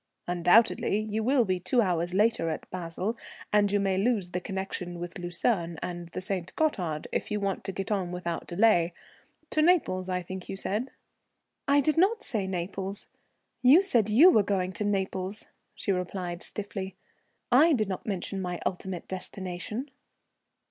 "Undoubtedly you will be two hours later at Basle, and you may lose the connection with Lucerne and the St. Gothard if you want to get on without delay. To Naples I think you said?" "I did not say Naples. You said you were going to Naples," she replied stiffly. "I did not mention my ultimate destination."